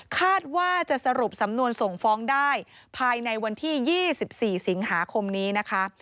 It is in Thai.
คาดว่าจะสรุปสำนวนส่งฟ้องได้ภายในวันที่๒๔สิงหาคมนี้นะคะ